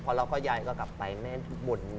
พอเราก็ยายก็กลับไปแม่มัน